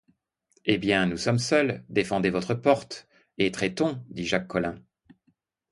Eh! bien, nous sommes seuls: défendez votre porte, et traitons, dit Jacques Collin.